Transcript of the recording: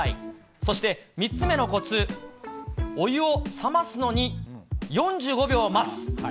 そして３つ目のこつ、お湯を冷ますのに４５秒待つ。